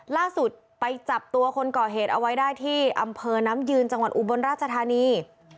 ล่าสุดไปจับตัวคนก่อเหตุเอาไว้ได้ที่อำเภอน้ำยืนจังหวัดอุบลราชธานี